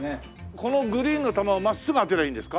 このグリーンの球を真っすぐ当てりゃいいんですか？